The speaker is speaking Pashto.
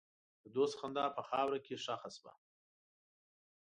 د دوست خندا په خاوره کې ښخ شوه.